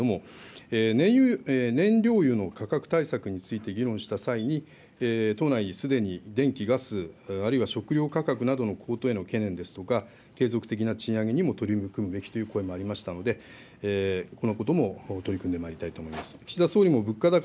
党としてはそれに沿った形で対応していくことになりますけれども、燃料油の価格対策について議論した際に、党内にすでに電気、ガス、あるいは食料価格などの高騰への懸念ですとか、継続的な賃上げにも取り組むべきという声もありましたので、このことも取り組んでまいりたいと思います。